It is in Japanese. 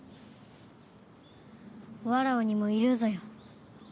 わらわにもいるぞよ。